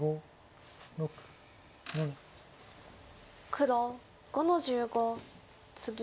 黒５の十五ツギ。